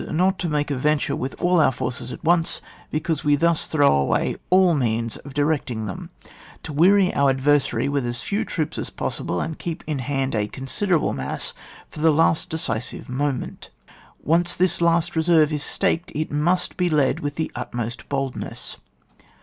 not to make a venture with all our forces at once, because we thus throw away all means of directing them ; to weary our adversary with as few troops as possible, and keep in hand a considerable mass for the last decisive moment. Once this last reserve is staked, it must be led with the utmost boldness.